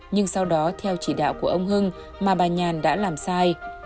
nhưng sau đó theo chỉ đạo của ông hưng mà bà nhàn đã làm sai